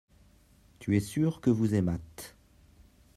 tu es sûr que vous aimâtes.